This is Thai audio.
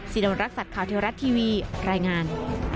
โดนรักษัตริย์ข่าวเทวรัฐทีวีรายงาน